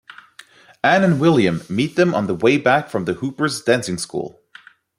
Anne and William meet them on the way back from the Hoopers' dancing school.